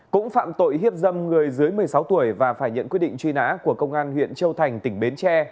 cũng phạm tội hiếp dâm người dưới một mươi sáu tuổi và phải nhận quyết định truy nã của công an huyện châu thành tỉnh bến tre